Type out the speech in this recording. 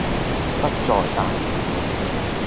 不再帶電